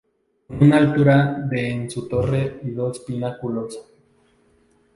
Con una altura de en su torre y dos pináculos.